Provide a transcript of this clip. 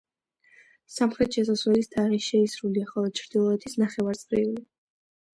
სამხრეთ შესასვლელის თაღი შეისრულია, ხოლო ჩრდილოეთის ნახევარწრიული.